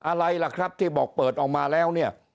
อะไรล่ะครับที่บอกเปิดออกมาแล้วเนี่ย